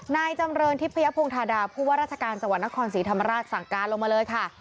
นายจำเรชน์ที่พญพงศ์ภาดาวบรรษกาลจาวนนครศรีธรรมราชสังกาลลงมาเลยค่ะ